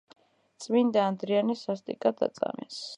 წმინდა ადრიანე სასტიკად აწამეს.